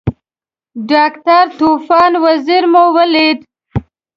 ډاکټر طوفان وزیری مو ولید.